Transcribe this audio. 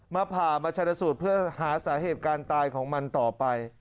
ผ่ามาชนะสูตรเพื่อหาสาเหตุการณ์ตายของมันต่อไป